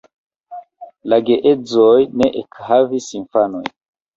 La geedzoj ne ekhavis infanojn.